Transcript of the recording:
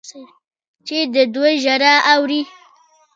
چې د دوی ژړا اوري.